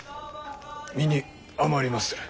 身に余りまする。